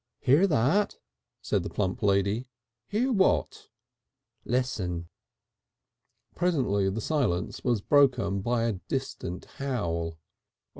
"Hear that?" said the plump lady. "Hear what?" "Listen." Presently the silence was broken by a distant howl.